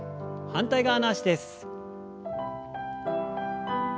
反対側の脚です。